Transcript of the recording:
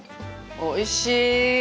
おいしい。